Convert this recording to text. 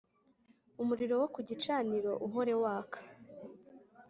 Umuriro wo ku gicaniro uhore waka